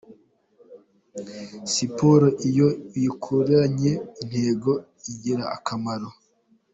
Siporo iyo uyikoranye intego igira akamaro.